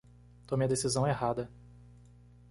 Tome a decisão errada